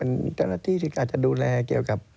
เจ้าหน้าที่ที่อาจจะดูแลเกี่ยวกับ